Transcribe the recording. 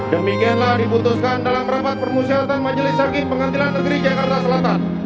demikianlah diputuskan dalam rapat permusyawatan majelis hargi pengantilan negeri jakarta selatan